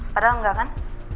padahal enggak kan